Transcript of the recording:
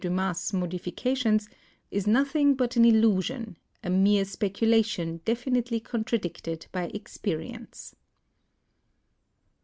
Dumas' modifications, is noth ing but an illusion, a mere speculation definitely contra dicted by experience."